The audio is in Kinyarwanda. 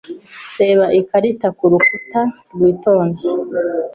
Reba ikarita kurukuta witonze.